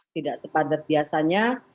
tidak sepadat biasanya